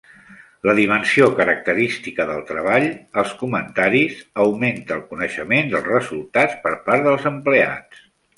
La dimensió característica del treball, els comentaris, augmenta el coneixement dels resultats per part dels empleats.